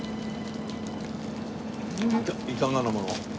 いかがなもの？